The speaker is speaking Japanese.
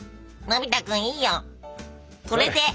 のび太くんいいよそれで！